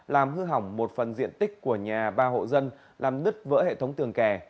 làm hư hỏng một phần diện tích của nhà ba hộ dân làm nứt vỡ hệ thống tường kè